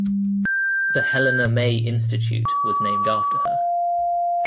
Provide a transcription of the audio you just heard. The Helena May Institute was named after her.